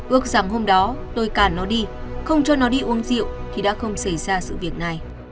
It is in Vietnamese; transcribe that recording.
ước rằng hôm đó tôi càn nó đi không cho nó đi uống rượu thì đã không xảy ra sự việc này